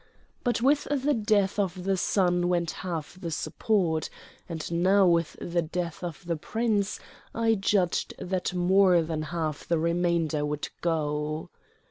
But with the death of the son went half the support; and now with the death of the Prince I judged that more than half the remainder would go.